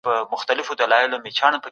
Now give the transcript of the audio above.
د توکو د خرابېدو مخه څنګه نيول کيده؟